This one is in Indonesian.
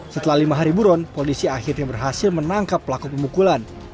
setelah lima hari buron polisi akhirnya berhasil menangkap pelaku pemukulan